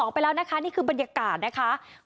๒๐๒๒ไปแล้วนี่คือบรรยากาศ